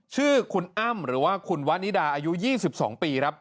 ชื่อคุณอ้ำหรือว่าคุณวานิดาอายุ๒๒ปีครับ